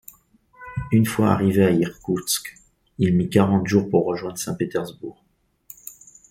Une fois arrivé à Irkoutsk, il mit quarante jours pour rejoindre Saint-Pétersbourg.